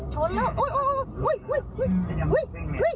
ตายละตัวนึอ